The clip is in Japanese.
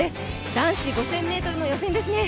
男子５０００ｍの予選ですね。